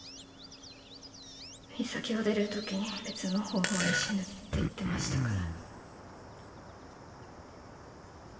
岬を出る時に別の方法で死ぬって言ってましたから。